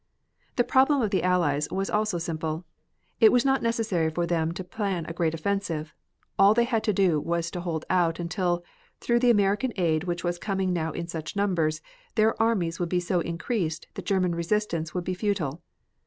The problem of the Allies was also simple. It was not necessary for them to plan a great offensive. All they had to do was to hold out until, through the American aid which was coming now in such numbers, their armies would be so increased that German resistance would be futile.